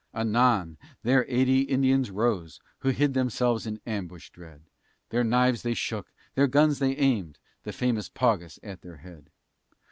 Anon, there eighty Indians rose, Who'd hid themselves in ambush dread; Their knives they shook, their guns they aimed, The famous Paugus at their head.